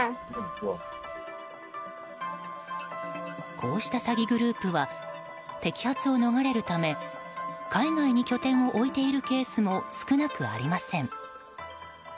こうした詐欺グループは摘発を逃れるため海外に拠点を置いているケースも少なくありません。